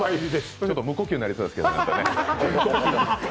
ちょっと無呼吸になりそうですけどね。